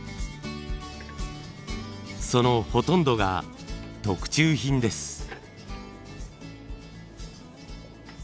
そのほとんどが特注品です。